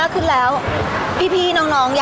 พี่ตอบได้แค่นี้จริงค่ะ